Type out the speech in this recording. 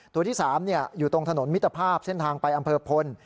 ตัวที่๓อยู่ตรงถนนมิตรภาพเส้นทางไปอำเภอพล